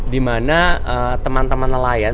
dimana teman teman nelayan